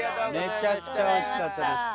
めちゃくちゃ美味しかったです。